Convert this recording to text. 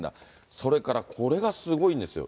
それからこれがすごいんですよ。